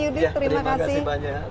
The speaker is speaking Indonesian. yudi terima kasih terima kasih banyak